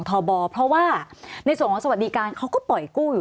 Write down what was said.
สวัสดีครับทุกคน